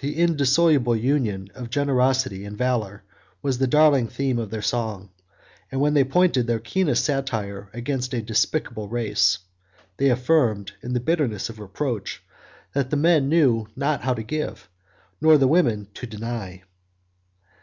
The indissoluble union of generosity and valor was the darling theme of their song; and when they pointed their keenest satire against a despicable race, they affirmed, in the bitterness of reproach, that the men knew not how to give, nor the women to deny.